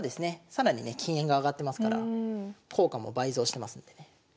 更にね金が上がってますから効果も倍増してますんでね。